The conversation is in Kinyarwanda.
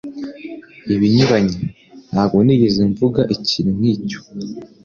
Ibinyuranye, ntabwo nigeze mvuga ikintu nk'icyo.